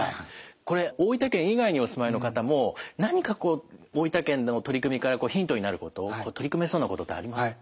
これ大分県以外にお住まいの方も何かこう大分県の取り組みからヒントになること取り組めそうなことってありますか？